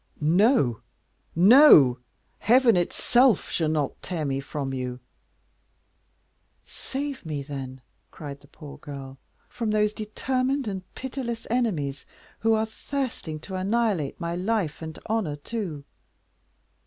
"No, no; Heaven itself shall not tear you from me." "Save me, then," cried the poor girl, "from those determined and pitiless enemies who are thirsting to annihilate my life and honor too.